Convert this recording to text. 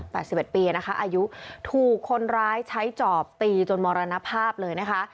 สิบเอ็ดปีนะคะอายุถูกคนร้ายใช้จอบตีจนมรณภาพเลยนะคะ